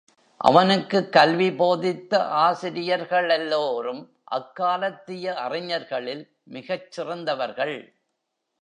அவனுக்குக் கல்வி போதித்த ஆசிரியர்களெல்லோரும் அக்காலத்திய அறிஞர்களில் மிகச் சிறந்தவர்கள்.